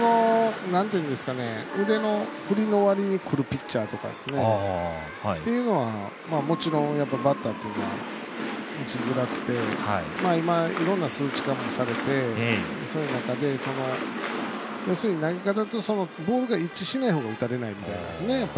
腕の振りのわりにくるピッチャーとかっていうのは、もちろんバッターというのは打ちづらくて今、いろんな数値化もされてそういう中で要するに投げ方とボールが一致しないほうが打たれないみたいなんですね。